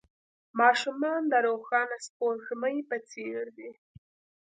ماشومان د روښانه سپوږمۍ په څېر دي.